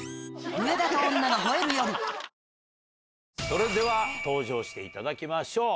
それでは登場していただきましょう。